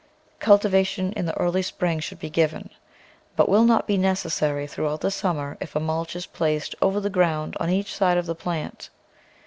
Cultivation in the early spring should be given, but will not be necessary throughout the summer if a mulch is placed over the ground on each side of the plant.